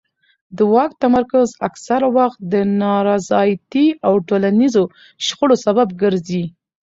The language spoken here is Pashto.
د واک تمرکز اکثره وخت د نارضایتۍ او ټولنیزو شخړو سبب ګرځي